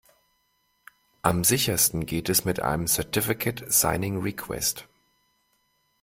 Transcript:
Am sichersten geht es mit einem Certificate Signing Request.